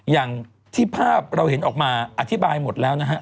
อย่างที่ภาพเราเห็นออกมาอธิบายหมดแล้วนะฮะ